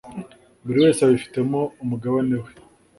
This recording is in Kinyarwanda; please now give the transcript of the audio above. buriwese abifitemo umugabane we